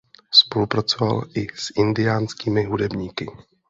Spolupracoval i s indiánskými hudebníky.